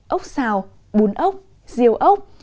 ốc xào bún ốc riêu ốc